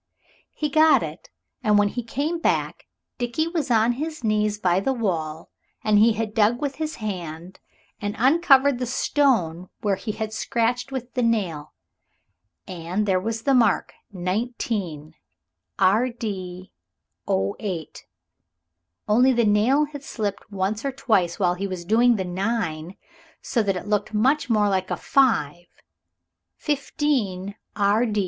He got it, and when he came back Dickie was on his knees by the wall, and he had dug with his hands and uncovered the stone where he had scratched with the nails. And there was the mark 19. R.D. 08. Only the nail had slipped once or twice while he was doing the 9, so that it looked much more like a five 15. R.